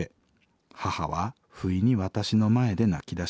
母は不意に私の前で泣きだします。